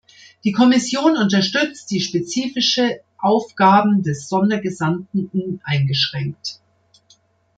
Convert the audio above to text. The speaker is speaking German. Die Kommission unterstützt die spezifische Aufgaben des Sondergesandten uneingeschränkt.